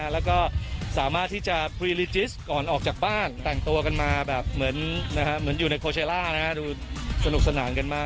แล้วก็สามารถที่จะพรีลิจิสก่อนออกจากบ้านแต่งตัวกันมาแบบเหมือนอยู่ในโคเชล่าดูสนุกสนานกันมาก